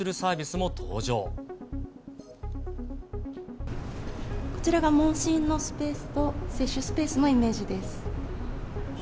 もう一つ、こちらが問診のスペースと接種スペースのイメージです。